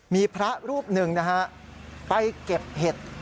มีพระรูปหนึ่งนะฮะไปเก็บเห็ด